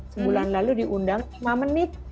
sebulan lalu diundang lima menit